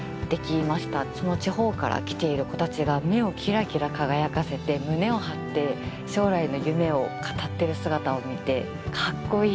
地方から来ている子たちが目をキラキラ輝かせて胸を張って将来の夢を語ってる姿を見てカッコいいなっていう。